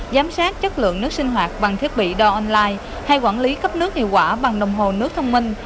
giám sát chất lượng nước sinh hoạt bằng thiết bị đo online hay quản lý cấp nước hiệu quả bằng đồng hồ nước thông minh